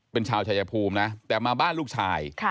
เป็นชาวชายภูมินะแต่มาบ้านลูกชาย